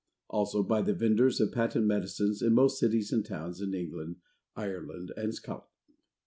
Also by the Venders of Patent Medicines in most Cities and Towns, in England, Ireland, and Scotland.